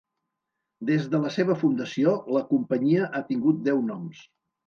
Des de la seva fundació, la companyia ha tingut deu noms.